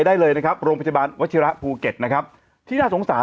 ได้เลยนะครับโรงพยาบาลวัชิระภูเก็ตนะครับที่น่าสงสาร